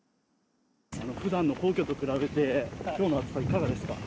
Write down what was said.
ふだんの皇居と比べて、今日の暑さはいかがですか？